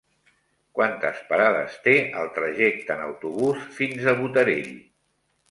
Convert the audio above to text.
Quantes parades té el trajecte en autobús fins a Botarell?